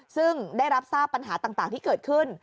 ซึ่งได้รับทราบปัญหาต่างที่เกิดขึ้น